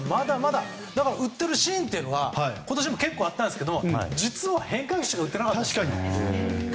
だから打っているシーンが今年も結構あったんですけど実は変化球しか打っていなかったんです。